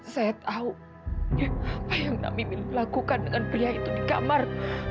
saya tahu apa yang nak mimil lakukan dengan pria itu di kamar